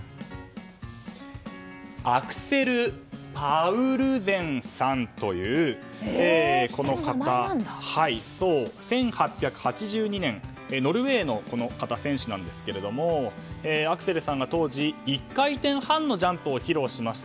アクセル・パウルゼンさんというこの方、１８８２年ノルウェーの選手なんですがアクセルさんが当時１回転半のジャンプを披露しました。